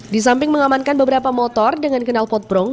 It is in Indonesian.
di samping mengamankan beberapa motor dengan kenal potbrong